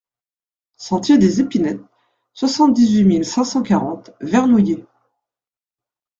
Sentier des Epinettes, soixante-dix-huit mille cinq cent quarante Vernouillet